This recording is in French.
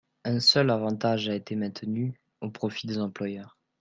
Un seul avantage a été maintenu, au profit des employeurs.